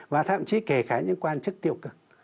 và thậm chí kể cả những quan chức tiêu cực